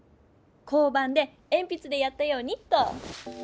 交番でエンピツでやったようにっと！